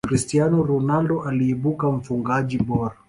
cristiano ronaldo aliibuka mfungaji bora